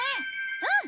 うん！